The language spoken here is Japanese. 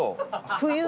冬。